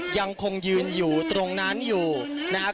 ยังคงยืนอยู่ตรงนั้นอยู่นะครับ